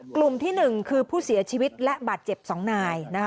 กลุ่มที่๑คือผู้เสียชีวิตและบาดเจ็บ๒นาย